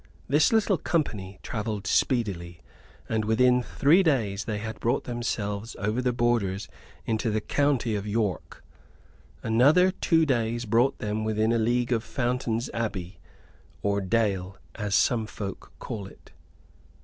This little company travelled speedily, and within three days they had brought themselves over the borders into the county of York. Another two days brought them within a league of Fountain's Abbey or Dale, as some folk call it.